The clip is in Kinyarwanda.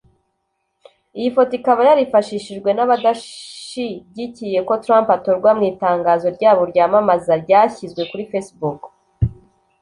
Iyi foto ikaba yarifashishijwe n’abadashigikiye ko Trump atorwa mu itangazo ryabo ryamamaza ryashyizwe kuri Facebook